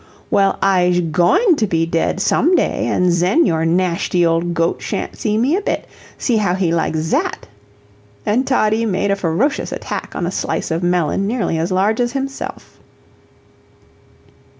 "Well, Izhe GOIN' to be dead some day 'an zen your nashty old goat sha'n't see me a bit see how he like ZAT." And Toddie made a ferocious attack on a slice of melon nearly as large as himself.